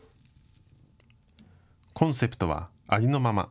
コンセプトはありのまま。